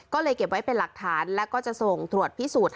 ก็เลยเก็บไว้เป็นหลักฐานแล้วก็จะส่งตรวจพิสูจน์